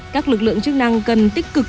các lực lượng chức năng cần tích cực